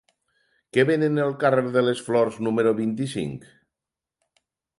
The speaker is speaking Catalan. Què venen al carrer de les Flors número vint-i-cinc?